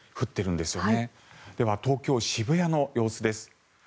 では、東京・渋谷の様子です。